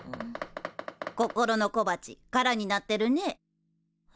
心の小鉢空になってるねえ。